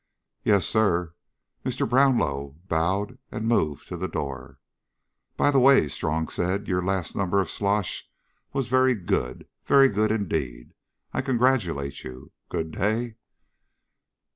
"Yes, Sir." Mr. Brownlow bowed and moved to the door. "By the way," Strong said, "your last number of Slosh was very good. Very good indeed. I congratulate you. Good day."